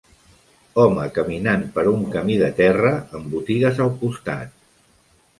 Home caminant per un camí de terra amb botigues al costat